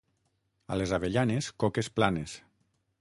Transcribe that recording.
A les Avellanes, coques planes.